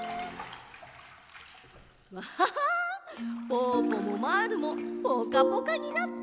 ぽぅぽもまぁるもぽかぽかになった。